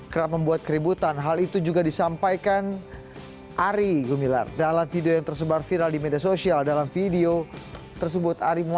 kerap membuat keributan hal itu juga disampaikan ari gumilar dalam video yang tersebar viral di